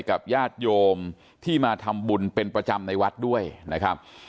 กับญาติโยมที่มาทำบุญเป็นประจำในวัดด้วยนะครับ